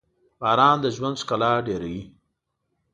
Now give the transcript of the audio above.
• باران د ژوند ښکلا ډېروي.